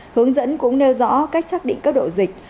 hướng dẫn cũng nêu rõ cách xác định cấp độ dịch